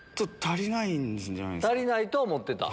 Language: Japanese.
足りないと思ってた。